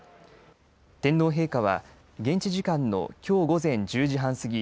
天皇陛下は現地時間のきょう午前１０時半過ぎ